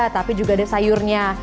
tapi juga ada sayurnya